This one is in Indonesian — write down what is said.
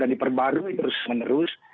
dan diperbarui terus menerus